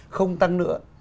không tăng nữa